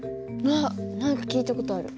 あっ何か聞いた事ある。